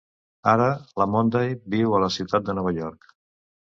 Ara, la Monday viu a la ciutat de Nova York.